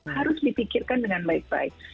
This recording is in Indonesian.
harus dipikirkan dengan baik baik